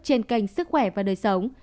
trên kênh sức khỏe và đời sống